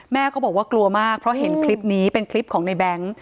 แม่ก็บอกว่ากลัวมากเพราะเห็นคลิปนี้เป็นคลิปของในแบงค์